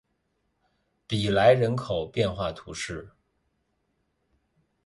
比莱人口变化图示